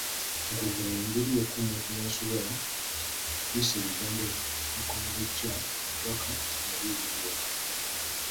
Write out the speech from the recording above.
Mu kwogera y’engeri yokka omuntu mw’asobola okuyisa ebigambo ebikongojja obubaka nga biwulirwa.